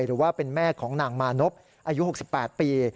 หรือว่าเป็นแม่ของนางมานพอายุ๖๘ปี